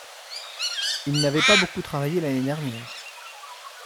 Il n’avait pas beaucoup travaillé l’année dernière.